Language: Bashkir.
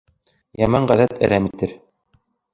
Яман ғәҙәт әрәм итер.